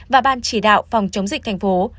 và ban chỉ đạo phòng chống dịch thành phố